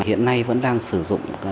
hiện nay vẫn đang sử dụng